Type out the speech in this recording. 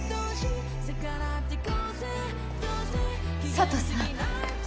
佐都さん。